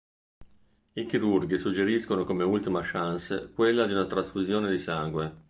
I chirurghi suggeriscono come ultima "chance" quella di una trasfusione di sangue.